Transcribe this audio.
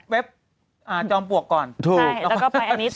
เว็บอ่าจอมปวกก่อนถูกแล้วก็ไปอันนี้ต่อ